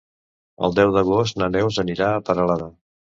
El deu d'agost na Neus anirà a Peralada.